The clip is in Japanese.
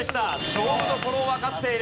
勝負どころをわかっている。